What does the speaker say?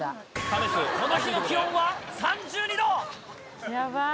この日の気温は３２度。